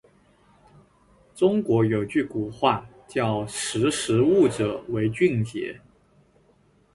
中国有句古话，叫“识时务者为俊杰”。